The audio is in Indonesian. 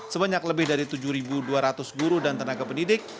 sebanyak lebih dari tujuh dua ratus guru dan tenaga pendidik